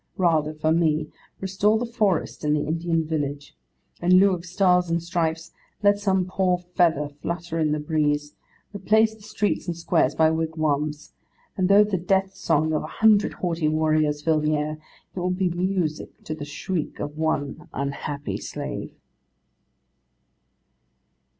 Rather, for me, restore the forest and the Indian village; in lieu of stars and stripes, let some poor feather flutter in the breeze; replace the streets and squares by wigwams; and though the death song of a hundred haughty warriors fill the air, it will be music to the shriek of one unhappy slave.